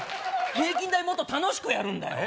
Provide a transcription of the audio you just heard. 平均台もっと楽しくやるんだよ